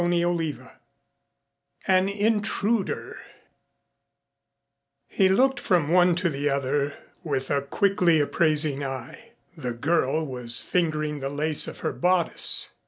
CHAPTER VII AN INTRUDER He looked from one to the other with a quickly appraising eye. The girl was fingering the lace of her bodice.